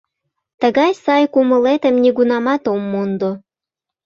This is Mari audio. — Тыгай сай кумылетым нигунамат ом мондо.